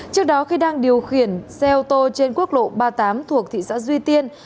trước đó khi đang điều khiển xe ô tô trên quốc lộ ba mươi tám thuộc tp duy tiên